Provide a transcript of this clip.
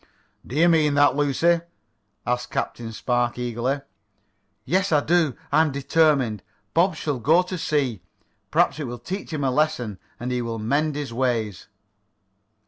"Do you mean that, Lucy?" asked Captain Spark eagerly. "Yes, I do. I am determined. Bob shall go to sea. Perhaps it will teach him a lesson, and he will mend his ways."